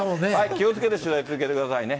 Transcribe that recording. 気をつけて取材続けてくださいね。